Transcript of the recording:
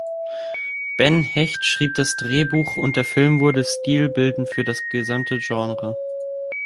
Ben Hecht schrieb das Drehbuch und der Film wurde stilbildend für das gesamte Genre.